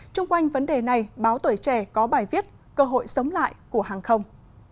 trung quanh vấn đề này báo tuổi trẻ có bài viết cơ hội sống lại của hàng không